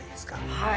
はい。